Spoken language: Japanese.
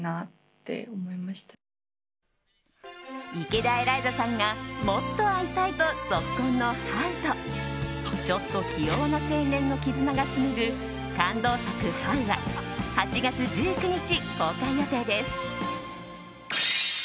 池田エライザさんがもっと会いたいとぞっこんのハウとちょっと気弱な青年の絆がつむぐ感動作「ハウ」は８月１９日、公開予定です。